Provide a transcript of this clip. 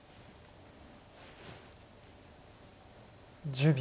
１０秒。